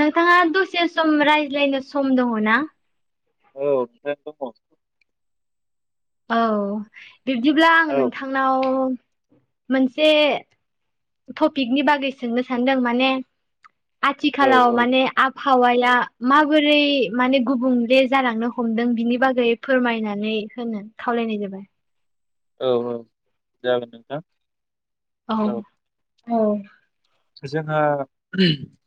नोंथाङा दसे सम रायज्लायनो सम दङ ना? औ थायम दङ औ बिब्दिब्ला आङो नोंथांनाव मोनसे टपिकनि बागै सोंनो सानदों माने आथिखालाव औ माने आबहावाय दा माबोरै माने गुबुंले जालांनो हमदों बिनि बागै फोरमायनानै होनो खावलायनाय जाबाय औ औ जागोन नोंथां औ औ जोंहा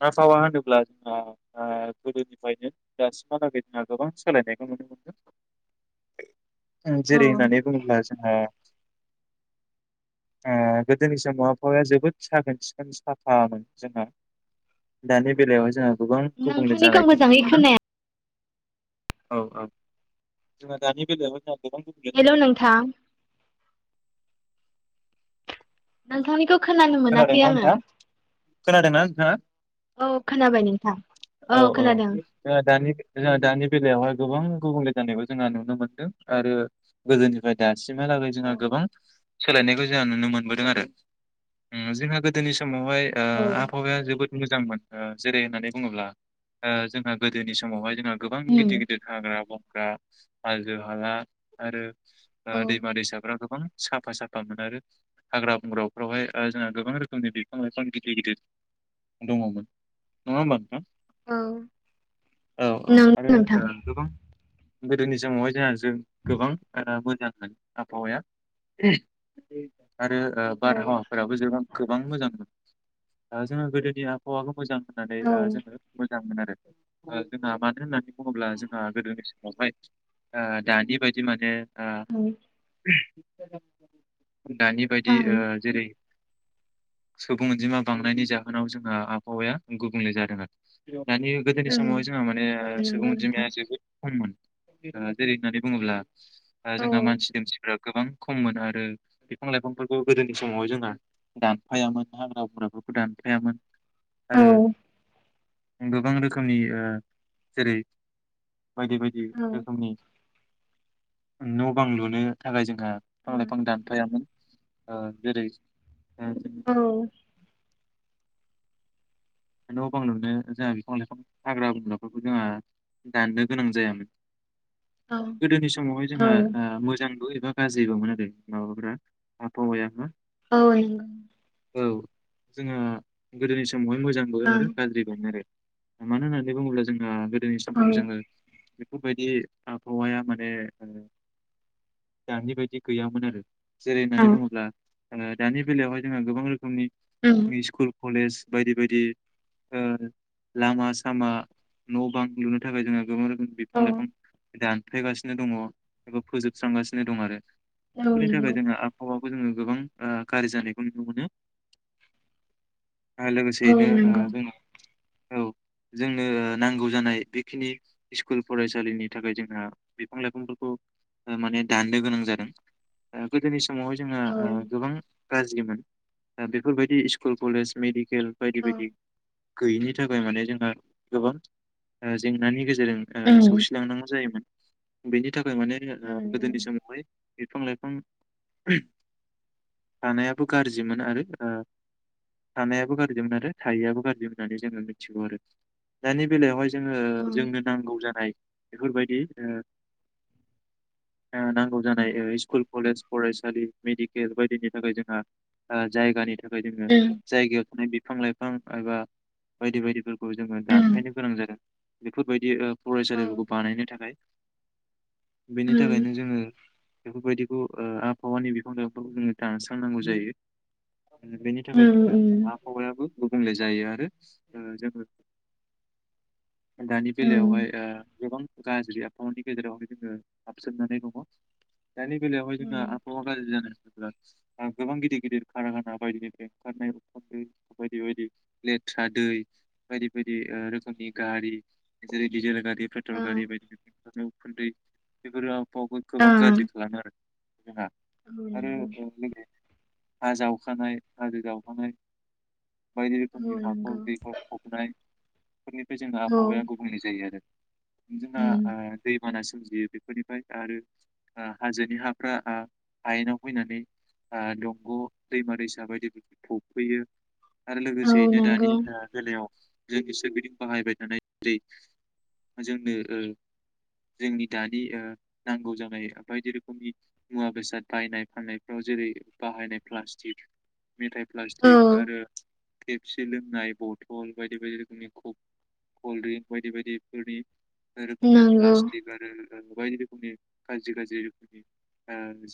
आबहावा होनोब्ला जोंहा आ गोदोनिफ्रायनो दासिमहालागै जोंहा गोबां सोलायनायखौ नुनो मोनदों औ जेरै होननानै बुङोब्ला जोंहा ओ गोदोनि समावबो जोबोद साखोन सिखोन सि साफफा मोन जोंहा दानि बेलायावहाय जोङो गोबां गुबुंले नोंथांनिखौ जानायखौ नुनो मोजाङै मोनदों खोनाया औ औ जोंहा दानि बेलायावबो जा हेलौ नोंथां नोंथांनिखौ खोनानो मोनाखै खोनादोंना आङो नोंथां खोनादोंना नोंथाङा? औ खोनाबाय नोंथां औ औ जोंहा दानि जोंहा दानि बेलायावहाय गोबां गुबुंले जानायखौ जोंहा नुनो मोनदों आरो गोदोनिफ्राय दा सिमहालागै औ जोंहा गोबां सोलायनायखौ जोंहा नुनो मोनबोदों आरो उम जोंहा गोदोनि स समावहाय ओ औ आबहावाया जोबोद मोजांमोन ओ जेरै होननानै बुङोब्ला ओ जोंहा गोदोनि समावहाय जोंहा गोबां उम गिदिर गिदिर हाग्रा बं ग्रा हाजो हाला आरो औ ओ दैमा दैसाफ्रा गोबां साफा साफामोन आरो हाग्रा बंग्राफ्रावहाय जोंहा गोबां रोखोमनि बिफां लाइफां गिदिर गिदिर दङमोन नङा होमबा? हु औ औ औ नंगौ आरो नोंथां। ओ गोबां गोदोनि समावहाय जोंहा जों गोबां आदा मोजां [unintelligible] ओ आबहावा आरो ओ औ बारहावाफ्राबो जोबां गोबां मोजां मोन दा जोङो गोदोनि आबहावाखौ मोजां होननानै औ ओ जों मोजां मोन आरो ओ जोंहा मानो होननानै बुङोब्ला जोंहा गोदोनि समावहाय ओ दानि बायदि माने आ दानि बायदि ओं ओ जेरै सुबुं अनजिमा बांनायनि जाहोनाव जोंहा आबहावाया गुबुंले जादों आरो बेयाव दानि गोदोनि ओं समाव जोंहा माने औ नंगौ सुबुं नोंथां अजिमाया जोबोद खममोन जैरै होननानै बुङोब्ला ओ औ जोंहा मानसि दोमसिफ्रा गोबां खममोन आरो बिफां लाइफांफोरखौ गोदोनि समाव जोंहा दानफायामोन हाग्रा बंग्राफोरखौ दानफायामोन औ आरो गोबां रोखोमनि ओ जेरै बायदि बायदि औ रोखोमनि न' बां लुनो थाखाय जों आ फां औ लाायफां दानफायामोन ओ जेरै ओ औ न बां नुनो जोङो बिफां लाइफां हाग्रा बंग्राफोरखौ जोङो दाननो गोनां जायामोन औ गोदोनि समावहाय औ जोंहा नंगौ मोजांबो मा गाज्रिबोमोन आरो माबाफ्रा आबहावाया ना औ जोङो गोदोनि समावहाय मोज बो ओं आरो गाज्रि मोन आरो मानोना लेबा बुंब्ला जोंहा गोद दिनै औ समाव जोङो बेफोरबायदि आबहावाया माने ओ दानि बायदि गैयामोन आरो जेरै औ होननानै बुंङोब्ला जोङो दानि बेलायावहाय जोंहा गोबां रोखोमनि उम मिसकल कलेज बायदि बायदि ओ लामा सामा न' बां लुनो थाखाय जोङो गोबां रोखोम औ बिफां लाइफां दानफायगासिनो दङ एबा फोजोबस्रांगासिनो दं आरो औ बेफोरनि नंगौ थाखाय जोङो आबहावाखौ जोङो गोबां ओ गाज्रि जानायखौ नुनो मोनो आरो औ लोगोसेयैनो ओ नंगौ जों औ जोंनो नांगौ जानाय बेखिनि स्कुल फरायसालिनि थाखाय जोंहा बिफां लाइफांफोरखौ ओ माने दाननो गोनां जादों ओ गोदोनि समावहाय जोङो औ ओ गोबां गाज्रिमोन दा बेफोरबायदि स्कुल कलेज मेडि खेल बायदि औ बायदि गैयिनि थाखाय माने जोंहा गोबां ओ जेंनानि गेजे जेरजों ओ उम सौसिलांनांगौ जायोमोन बिनिद नि थाखाय ओ माने उम गोदोनि समावहाय बिफां लाइफां थानायाबो गाज्रिमोन आरो ओ थानायाबो गाज्रिमोन आरो थायैयाबो गाज्रि होननानै जोङो मिथिगौ आरो दानि बेलायावहाय जोङो उम औ जोंनो नांगौ जानाय बेफोरबायदि ओ ओ नांगौ उम जानाय ओ स्कुल कलेज फरायसालि मेडिकेल बायदिनि थाखाय जोंहा ओ जायगानि था थाखाय जोङो जायगायाव थानाय बे बिफां लाइफ बिफां एबा बायदि बायदि गोल खौ जोङो उम दानफायनो गोनां जादों। बेफोरबायदि। औ फरायसालिफोरखौ बानायनो थाखाय। बेनि उम थाखायनो जोङो। बेफोरबायदिखौ आबहावानि बिफां लाइफां फोरखौ जोङो दानस्रांनांगौ जायो। बेनि थाखाय उम जोङो आबहावायाबो। गुबुंले जायो आरो जोङो। दानि उम बेलायावहाय गोबां। गाज्रि आबहावानि गेजेरावहाय जोङो हाबसोमनानै दङ। दानि दिनावहाय जोङो उम आबहावा गाज्रि जादों गोबां गिदिर गिदिर खारखाना बायदिनिफ्रिय ओनखारनाय उखुन्दै। बायदि बायदि लेथ्रा दै बायदि बायदि रोखोमनि गारि जेरै डिजेल गारि ओ पेट्रल गारि बायदि रोखोमनि। उखुन्दै बेफोरो आ बहावखौ गोबां गाज्रि खालामो आरो। [unintelligible] ओ औ नंगौ आरो हा जावखानाय हाजो जावखानाय। बायदि रोखोमनि औ हाखर नंगौ दैखर जावनाय। फोरनिफ्राय जोंङो औ आबहावाया गुबुंल जायो आरो। बिदिना उम दै मानास सोमजियो बेफोरनिफ्राय आरो हाजोनि हाफ्रा हायेनाव फैनानै दंग' दैमा दैसा बायदिफोरखौ फबफैयो। आरो औ लोगोसेयैनो दानि नंगौ बेलायाव। जोंनि सोरगिदिं बाहायबाय थानाय जि जोंनो जोंनि दानि नांगौ जानाय बायदि रोखोमनि मुवा बेसाद बायनाय फाननायफ्राव जेरै बाहायनाय प्लास्टिक। मेथाइ प्लासटिक औ आरो पेबसि लोंनाय बथल बायदि बायदि रोखोमनि कल्ड्रिंक बायदि बायदिफोरनि। रोखोमनि नंगौ प्लासटिक आरो। बायदि रोखोमनि गाज्रि गाज्रि रोखोमनि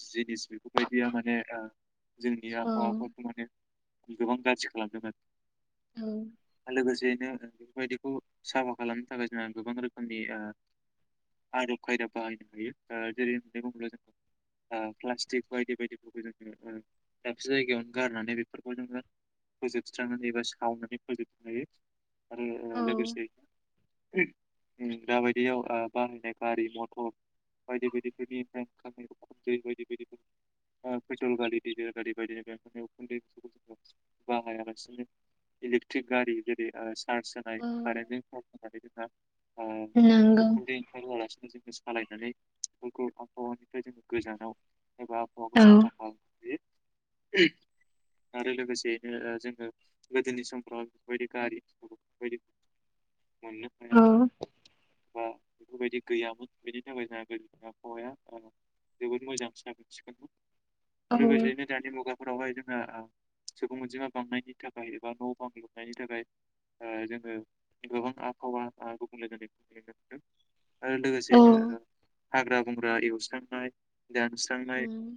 जिनिस बेफोरबायदिया माने। जोंनि औ आबहावाफोरखौ माने। गोबां गाज्रि खालामदों औ आरो लोगोसेयै बेफोरबायदिखौ साफा खालामनो थाखाय जोंहा गोबां रोखोमनि आदब खायदा बाहायनो हायो जेरै होननानै बुङोब्ला जोङो प्लास्टिक बायदि बायदिफोरखौ जोङो दाबसे जायगायावनो गारनानै बेफोर बेखौ जोंङो फोजोबस्रांनानै एबा सावनानै फोजोबनो हायो आरो ओ औ लोगोसे [inaudible] बाहायालासिनो इलेक्ट्रिक गारि जेरै ओ चार्ज होनाय औ कारेन्टजों चार्ज होनानै ओ नंगौ [unintelligible] सालायनानै बैफोर आबहावानिफ्राय जोङो गोजानाव [unintelligible] औ [inaudible] आरो लोगोसेयैनो ओ जोङो गोदोनि समफ्राव बेफोर बायदि गारि बेफोर मोननो औ हायामोन बा बेफोर बायदि गैयामोन बेनि थाखाय जोंहा गोदोनि आबहावाया जोबोद मोजां साखोन सिखोनमोन औ लोगोसेैनो दानि मुगाफोरावहाय [inaudible] सुबुं अनजिमा बांनायनि थाखाय एबा न' बां लुनायनि थाखाय ओ जोङो गोबां आबहावा गुबुंले जानायखौ नुनो मोनदों आरो ओ‌ लोगोसेयैनो हाग्रा बंग्रा एवस्रांनाय दानस्रांनाय उम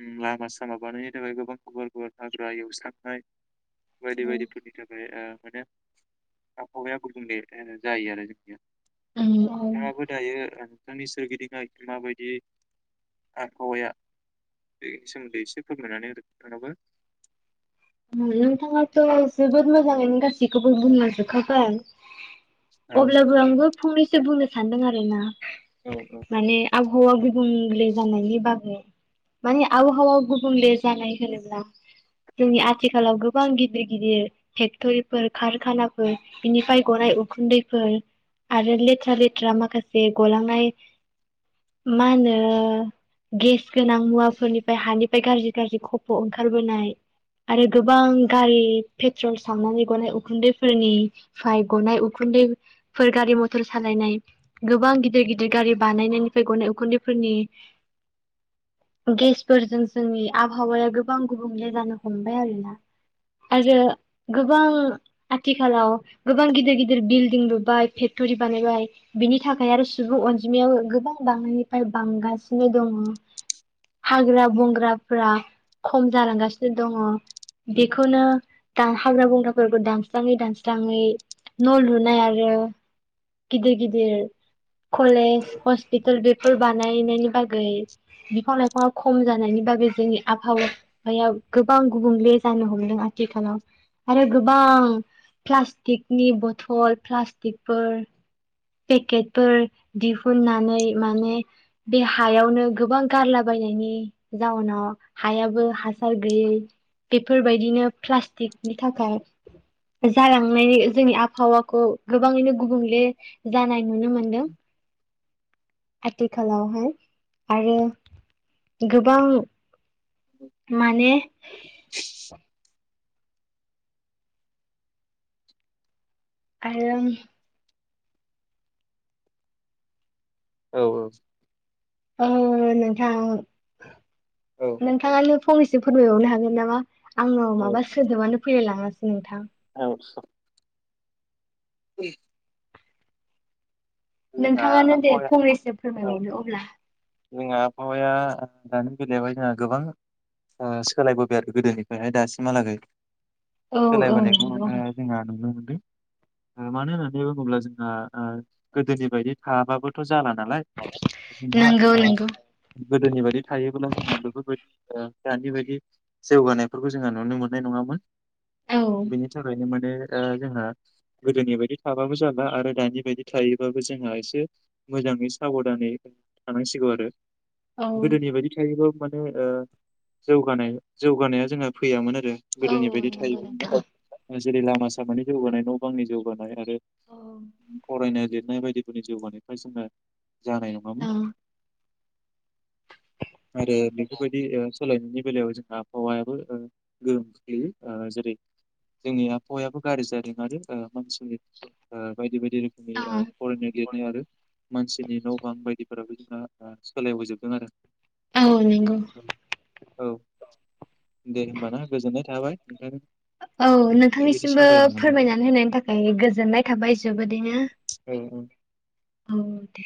उम लामा सामा बानायनो थाखाय गोबां गुवार गुवार हा हाग्रा एवस्रांनाय बायदि‌ उम बायदिफोरनि थाखाय ओ माने आबहावाया गुबुंले ओ जायो आरो जोंनिया उम नोंथाङा औ बो दायो ओ बिथांनि सोरगिदिं मा बायदि आबहावाया बेनि सोमोन्दै एसे फोरमायनानै नोंथांआबो नोंथाङाथ' जोबोद मोजांङैनो गासैखौबो बुंलांजोबखाबाय औ अब्लाबो आंबो फंनैसो बुंनो सै सान्दों आरोना औ माने आं आबहावा गुबुंले जानायनि बागै माने आबहावा गुबुंले जानाय होनोब्ला जोंनि आ आथिखालाव गोबां गिदिर गिदिर पेक्ट'रिफोर कारखानाफोर बिनिफ्राय गनाय उखुन्दैफोर आरो लेथ्रा लेथ्रा माखासे गलांनाय मा होनो गेस गोनां मुवाफोरनिफ्राय हानिफ्राय गाज्रि गाज्रि खफ' ओंखारबोनाय आरो गोबां गारि पेट्रल सावनानै गनाय उखुन्दैफोरनिफ्राय गनाय उखुन्दैफोर गारि मथर सालायनाय गोबां गिदिर गिदिर गारि बानायनायनिफ्राय गनाय उखुन्दैफोरनि गेसफोरजों जोंनि आबहावाया गोबां गुबुंले जानो हमबाय आरोना आरो गोबां आथिखालाव गोबां गिदिर गिदिर बिल्डिं लुबाय फेक्टरि बानायबाय बिनि थाखाय आरो सुबुं अनजिमायाव गोबां बांनायनिफ्राय बांगासिनो दङ हाग्रा बंग्राफ्रा खम जालांगासिनो दङ बेखौनो दा हाग्रा बंग्राफोरखौ दानस्राङै दानस्राङै न' लुनाय आरो गिदिर गिदिर कलेज, हस्पिटाल बेफोर बानायनायनि बागै बिफां लाइफाङा खम जानायनि बागै जोंनि आबहावाया गोबां गुबुंले जानो हमदों आथिखालाव आरो गोबां प्लास्टिकनि बथल प्लास्टिकफोर पेकेटफोर दिहुननानै माने बे हायावनो गोबां गारलाबायनायनि जाउनाव हायाबो हासार ओ बेफोरबायदिनो प्लास्टिकनि थाखाय जालांनायनि जोंनि आबहावाखौ गोबाङैनो गुबुंले जानाय नुनो मोनदों। आथिखालावहाय आरो गोबां माने [inaudible] आरो औ औ ओ औ औ नोंथां औ। औ नोंथाङा फंनैसो फोरमायबावनो हागोन नामा? आङो औ माबा सोदोबानो फैलायलाङा। नोंथां औ [inaudible] जोंहा नोंथाङानो दे आबहावाया फंनैसो औ फोरमायबावदो अब्ला। जोंहा आबहावाया दानि बेलायावहाय जोंहा गोबां ओ सोलायबोबाय आरो गोदोनिफ्रायहाय दासिमहालागै। औ औ सोलायबोनायखौ नंगौ जोंहा नुनो मोनो। ओ मानो होननानै बुङोब्ला जोंहा ओ गोदोनि बायदि थायाबाबोथ' जाला नालाय जोंहा नंगौ ओ नंगौ गोदोनि बायदि थायोब्ला जोंहा बेफोरबायदि दानि बायदि जौगानायफोरखौ जोंहा नुनो मोननाय नङामोन। औ बेनि थाखायनो माने ओ जोंहा गोदोनि बायदि थाबाबो जाला आरो दानि बायदि थायो बाबो जोंहा एसे मोजाङै साबधानै थानांसिगौ आरो। औ गोदोनि बायदि थायोबाबो ओ जौगानाया जौगानाया जोंहा फैयामोन औ गोदोनि बायदि नंगौ थायोमोन नोंथां ना जेरै लामा सामानि जौगानाय न' गावनि जौगानाय रा औ [unintelligible] नाय बायदिफोरनि जिउगानिफ्राय जोङो जानाय औ नङामोन। आरो बेफोरबायदि ओ सोलायनायनि बेलायाव जोंहा आबहावायाबो गोहोम खोख्लैयो जेरै जोंनि आबहावायाबो गाज्रि जादों आरो ओ। मानसिनि ओ बायदि बायदि रोखोमनि ओ। फरायनाय लिरनाय आरो मानसिनि न' बां बायदिफोराबो। सोलायबोजोबदों आरो। औ नंगौ। औ। दे होमबाना गोजोननाय थाबाय। खिनथादो। औ नोंथांनिसिमबो फोरमायनानै होनायनि थाखाय गोजोननाय थाबाय जोबोदैनो। ओं ओं। औ दे